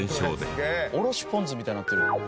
おろしポン酢みたいになってる。